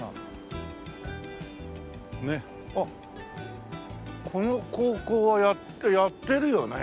あっこの高校はやってやってるよね？